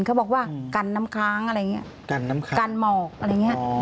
เขาบอกว่ากันน้ำค้างอะไรอย่างนี้กันหมอกอะไรอย่างนี้